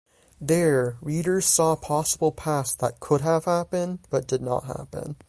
There, readers saw possible pasts that could have happened, but did not happen.